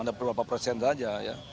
ada beberapa persen saja ya